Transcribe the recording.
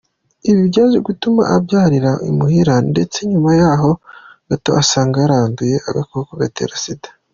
Ibi byaje gutuma abyarira imuhira, ndetse nyuma yaho gato asanga yaranduye agakoko gatera Sida.